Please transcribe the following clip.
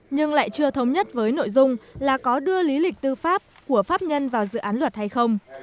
nhưng lại chưa thống nhất với nội dung là có đưa lý lịch tư pháp của pháp nhân vào dự án luật hay không